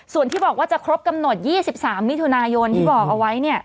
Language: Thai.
ส่วนที่บอกว่าจะครบกำหนด๒๓มิถุนายนที่บอกเอาไว้เนี่ย